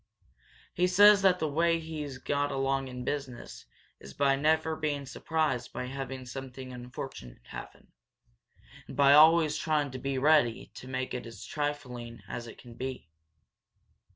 He says that's the way he's got along in business is by never being surprised by having something unfortunate happen, and by always trying to be ready to make it as trifling as it can be."